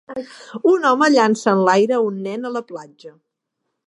Un home llança enlaire un nen a la platja.